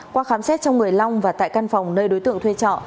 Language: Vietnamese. qua khám xét trong người long và tại căn phòng nơi đối tượng thuê trọ